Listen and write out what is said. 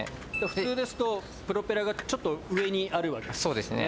普通ですとプロペラがちょっと上にあるわけですね。